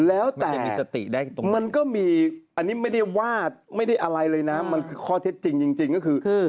แล้วแต่มันก็มีอันนี้ไม่ได้วาดไม่ได้อะไรเลยนะมันคือความเท็จจริงจริคด้วยก็คือ